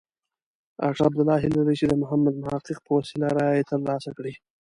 ډاکټر عبدالله هیله لري چې د محمد محقق په وسیله رایې ترلاسه کړي.